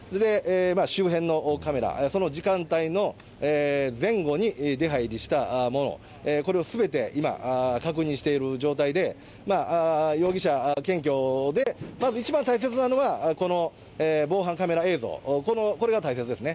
周辺のカメラ、その時間帯の前後に出入りした者、これをすべて今、確認している状態で、容疑者検挙でまず一番大切なのは、この防犯カメラ映像、これが大切ですね。